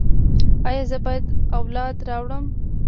ایا زه باید اولاد راوړم؟